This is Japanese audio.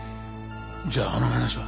じゃああの話は。